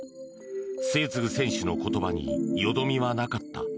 末續選手の言葉によどみはなかった。